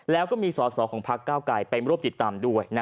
แล้วก็มีสอสอของพักเก้าไกลไปร่วมติดตามด้วย